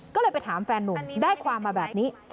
ก็เลยไปถามแฟนนุ่มได้ความมาแบบนี้